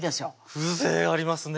風情ありますね